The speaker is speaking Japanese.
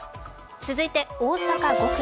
続いて大阪５区。